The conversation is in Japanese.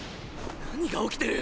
何が起きてる！？